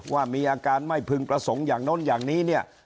ว่ามีอาการไม่พึงประสงค์อย่างโน้นอย่างนี้เนี่ย